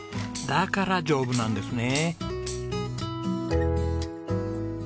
だから丈夫なんですね。